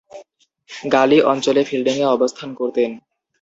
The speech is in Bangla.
গালি অঞ্চলে ফিল্ডিংয়ে অবস্থান করতেন।